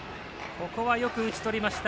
ここはよく打ちとりました。